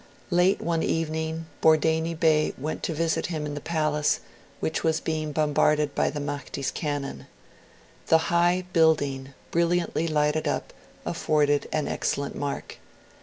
Late one evening, Bordeini Bey went to visit him in the palace, which was being bombarded by the Mahdi's cannon. The high building, brilliantly lighted up, afforded an excellent mark.